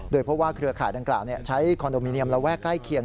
เพราะว่าเครือข่ายดังกล่าวใช้คอนโดมิเนียมระแวกใกล้เคียง